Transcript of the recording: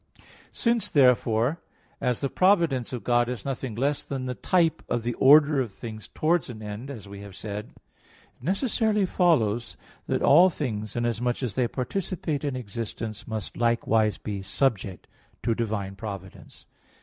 Since, therefore, as the providence of God is nothing less than the type of the order of things towards an end, as we have said; it necessarily follows that all things, inasmuch as they participate in existence, must likewise be subject to divine providence.